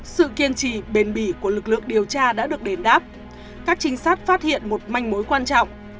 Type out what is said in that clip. sự kiên trì bền bỉ của lực lượng điều tra đã được đền đáp các trinh sát phát hiện một manh mối quan trọng